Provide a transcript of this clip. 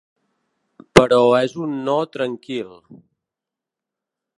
Però és un no tranquil.